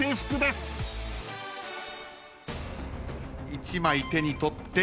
１枚手に取って。